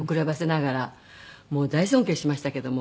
もう大尊敬しましたけども。